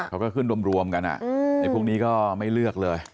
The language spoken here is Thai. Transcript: เขาก็ขึ้นรวมกันในพวกนี้ก็ไม่เลือกเลย